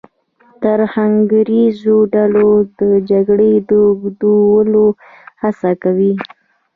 ترهګریزو ډلو د جګړې د اوږدولو هڅه کوي.